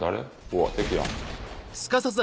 うわ敵や。